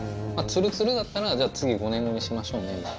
ツルツルだったら次、５年後にしましょうねって。